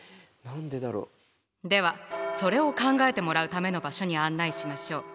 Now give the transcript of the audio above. ではそれを考えてもらうための場所に案内しましょう。